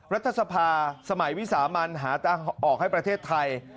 รัฐสภาสมัยวิสามันหาทางออกให้ประเทศไทย